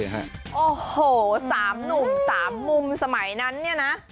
โอ้โฮสามหนุ่มสามมุมสมัยนั้นเนี่ยนะ